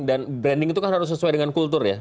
branding itu kan harus sesuai dengan kultur ya